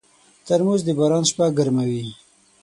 ترموز د باران شپه ګرموي.